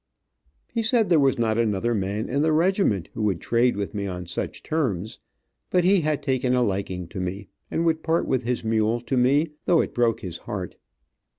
He said there was not another man in the regiment he would trade with on such terms, but he had taken a liking to me, and would part with his mule to me, though it broke his heart.